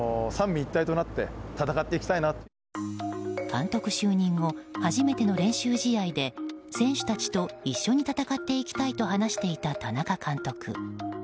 監督就任後初めての練習試合で選手たちと一緒に戦っていきたいと話していた田中監督。